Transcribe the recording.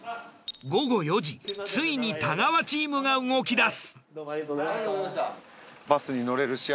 午後４時ついに太川チームが動き出す。